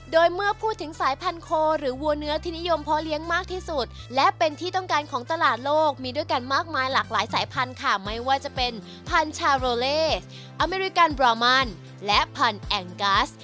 โดยเมื่อพูดถึงสายพันธโคหรือวัวเนื้อที่นิยมเพาะเลี้ยงมากที่สุดและเป็นที่ต้องการของตลาดโลกมีด้วยกันมากมายหลากหลายสายพันธุ์ค่ะไม่ว่าจะเป็นพันธุ์ชาโรเล่อเมริกันบรามันและพันธุ์แองกัส